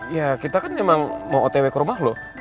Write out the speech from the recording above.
ya kita kan emang mau otw kerubah lo